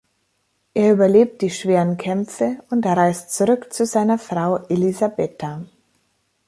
Er überlebt die schweren Kämpfe und reist zurück zu seiner Frau Elisabeta.